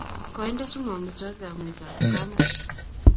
Koinde sumu amitwokik ab nget ab kamet.